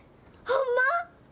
ほんま？